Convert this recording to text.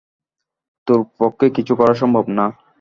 তোর পক্ষে কিছু করা সম্ভব না?